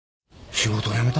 仕事を辞めた？